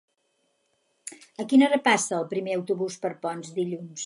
A quina hora passa el primer autobús per Ponts dilluns?